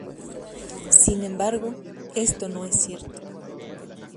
Sin embargo, esto no es cierto.